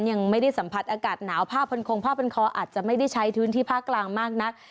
อากาศหนาวผ้าพลคงผ้าปันคออาจจะไม่ได้ใช้ทื้นที่ภาคกลางมากนัก